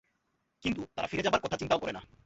কিন্তু তারা ফিরে যাবার কথা চিন্তাও করেনা।